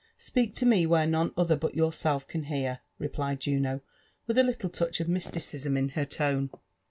" '^Speak to me where none other but yourself can hear," replied Juno, with a little touch of mysticism in her tone.